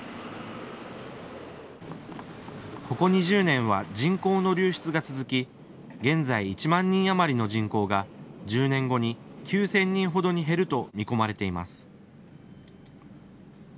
ここ２０年は人口の流出が続き現在、１万人余りの人口が１０年後に９０００人ほどに減ると見込まれています。